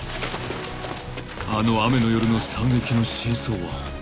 ［あの雨の夜の惨劇の真相は？］